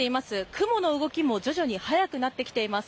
雲の動きも徐々に速くなってきています。